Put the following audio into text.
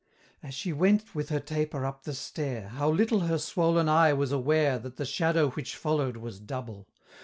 As she went with her taper up the stair, How little her swollen eye was aware That the Shadow which followed was double!